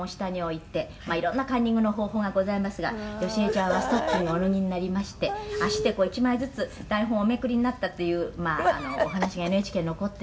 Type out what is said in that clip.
「いろんなカンニングの方法がございますが好重ちゃんはストッキングをお脱ぎになりまして足で１枚ずつ台本をおめくりになったっていうお話がＮＨＫに残ってるんですが」